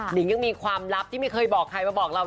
นิงยังมีความลับที่ไม่เคยบอกใครมาบอกเรา